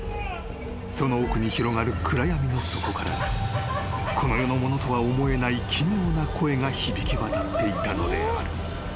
その奥に広がる暗闇の底からこの世のものとは思えない奇妙な声が響きわたっていたのである］